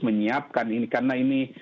menyiapkan ini karena ini